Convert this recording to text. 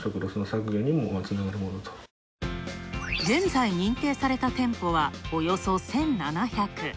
現在、認定された店舗はおよそ１７００。